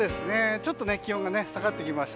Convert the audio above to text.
ちょっと気温が下がってきました。